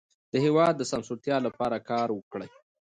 د هېواد د سمسورتیا لپاره کار وکړئ.